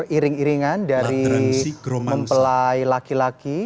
iring iringan dari mempelai laki laki